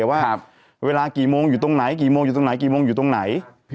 ว่าเวลากี่โมงอยู่ตรงไหน